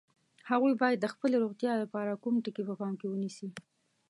هغوی باید د خپلې روغتیا لپاره کوم ټکي په پام کې ونیسي؟